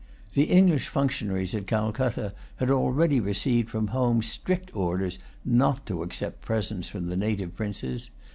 The English functionaries at Calcutta had already received from home strict orders not to accept presents from the native princes.